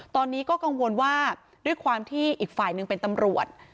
ตอนนี้ก็กังวลว่าด้วยความที่อีกฝ่ายหนึ่งเป็นตำรวจ